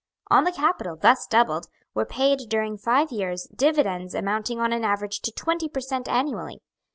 On the capital, thus doubled, were paid, during five years, dividends amounting on an average to twenty per cent. annually.